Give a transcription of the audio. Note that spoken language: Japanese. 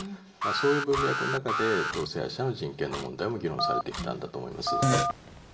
そういう文脈の中で同性愛者の人権の問題も議論されてきたんだと思います。